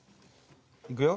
いくよ！